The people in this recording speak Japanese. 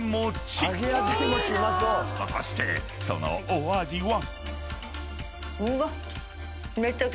［果たしてそのお味は？］